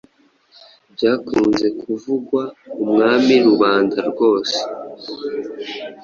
Byakunze kuvugwa umwamirubanda rwose